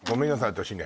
私ね